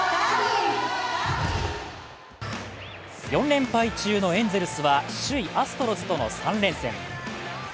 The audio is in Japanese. ４連敗中のエンゼルスは首位アストロズとの３連戦。